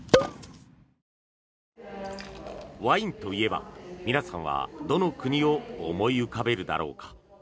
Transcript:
ワインといえば皆さんはどの国を思い浮かべるだろうか。